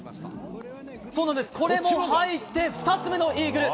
これも入って、２つ目のイーグル。